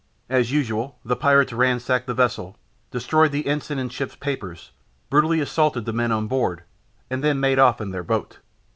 As usual, the pirates ransacked the vessel, destroyed the ensign and ship's papers, brutally assaulted the men on board, and then made off in their boat.